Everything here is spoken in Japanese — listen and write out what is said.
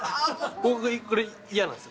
僕、それが嫌なんですよ。